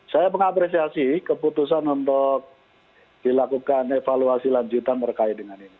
saya mengapresiasi keputusan untuk dilakukan evaluasi lanjutan berkait dengan ini